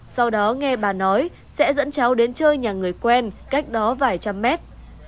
sau đó nghe bà nói sẽ dẫn cháu đến chơi nhà người quen cách đó vài trăm mét